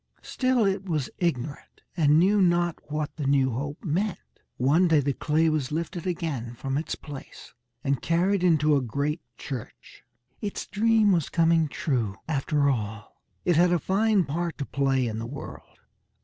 Still it was ignorant, and knew not what the new hope meant. One day the clay was lifted again from its place, and carried into a great church. Its dream was coming true after all. It had a fine part to play in the world.